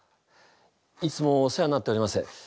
いつもお世話になっております。